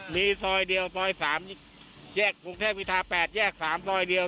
มีซอยเดียวซอย๓แยกกรุงเทพวิทา๘แยก๓ซอยเดียว